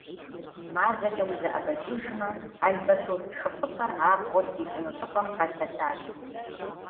МазэкӀэ узэӀэбэкӀыжымэ, албатрос тхыфӀыцӀэр абгъуэ здищӀыну щӀыпӀэм къэлъэтат.